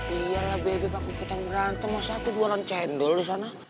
iya lah beb aku ikutan berantem masa aku jualan cendol di sana